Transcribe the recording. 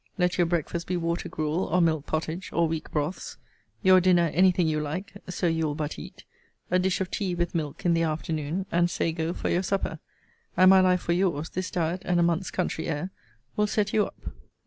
Let your breakfast be watergruel, or milk pottage, or weak broths: your dinner any thing you like, so you will but eat: a dish of tea, with milk, in the afternoon; and sago for your supper: and, my life for your's, this diet, and a month's country air, will set you up.'